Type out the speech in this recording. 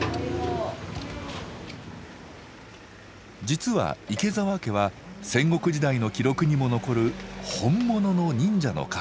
実は池澤家は戦国時代の記録にも残るホンモノの忍者の家系。